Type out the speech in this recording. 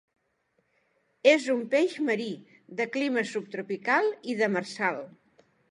És un peix marí, de clima subtropical i demersal.